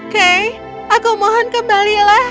kay aku mohon kembalilah